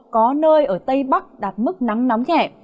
có nơi ở tây bắc đạt mức nắng nóng nhẹ